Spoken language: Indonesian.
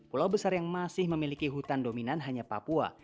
pulau besar yang masih memiliki hutan dominan hanya papua